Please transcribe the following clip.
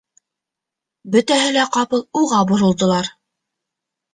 — Бөтәһе лә ҡапыл уға боролдолар.